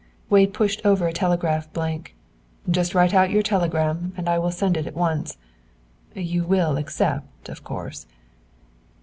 Wade pushed over a telegraph blank. "Just write out your telegram, and I will send it on at once. You will accept, of course."